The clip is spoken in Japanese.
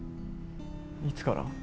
いつから？